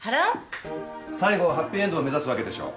最後はハッピーエンドを目指すわけでしょ？